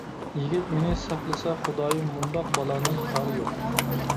يىگىت: مېنى ساقلىسا خۇدايىم، مۇنداق بالانىڭ كارى يوق.